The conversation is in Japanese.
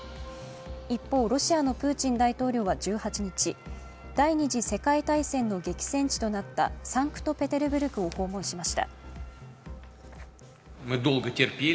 一方、ロシアのプーチン大統領は１８日、第二次世界大戦の激戦地となったサンクトペテルブルクを訪問しました。